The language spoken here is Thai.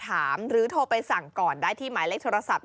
แต่ว่าก่อนอื่นเราต้องปรุงรสให้เสร็จเรียบร้อย